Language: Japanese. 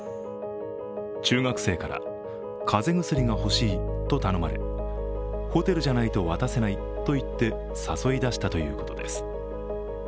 中学生から風邪薬がほしいと頼まれホテルじゃないと渡せないと言って誘い出したということです。